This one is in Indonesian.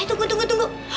eh tunggu tunggu tunggu